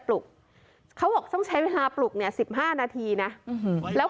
ปลุกเคาะบอกต้องใช้เวลาปลุกเนี้ยสิบห้านาทีน่ะแล้ว